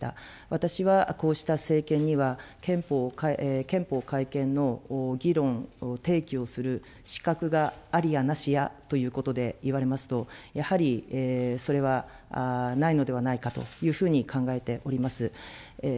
私はこうした政権には、憲法改憲の議論の提起をする資格が、ありやなしやということでいわれますと、やはりそれはないのではないかというふうに考えております。